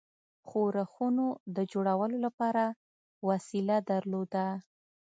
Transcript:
ښورښونو د جوړولو لپاره وسیله درلوده.